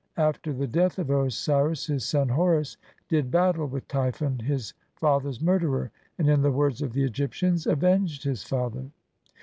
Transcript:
After the death of Osiris, his son Horus did battle with Typhon his father's murderer, and, in the words of the Egyptians, "avenged his father".